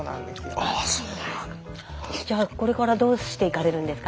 これからどうしていかれるんですか？